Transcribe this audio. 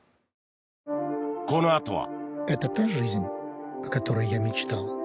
このあとは。